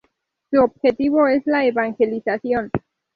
Su objetivo es la evangelización.